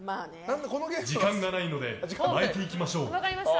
時間がないので巻いていきましょう。